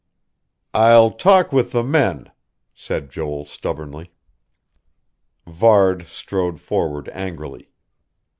"I'll talk with the men," said Joel stubbornly. Varde strode forward angrily.